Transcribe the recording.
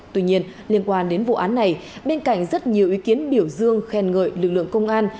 tuy nhiên liên quan đến vụ án này bên cạnh rất nhiều ý kiến biểu dương khen ngợi lực lượng công an